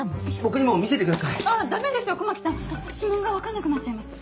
指紋が分かんなくなっちゃいます。